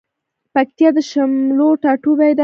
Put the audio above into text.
پکتيا د شملو ټاټوبی ده